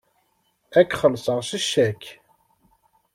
Ad xellṣeɣ s ccak.